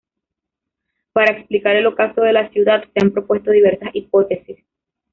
Para explicar el ocaso de la ciudad se han propuesto diversas hipótesis.